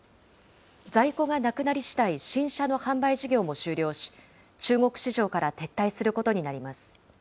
在庫がなくなりしだい、新車の販売事業も終了し、中国市場から撤退することになります。